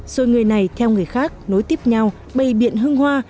rồi người này theo người khác nối tiếp nhau bay biện hưng hoa